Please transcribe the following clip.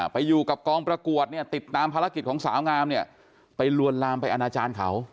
ไปอยู่กับกองประกวดเนี่ยติดตามภารกิจของสาวงามเนี่ยไปลวนลามไปอนาจารย์เขา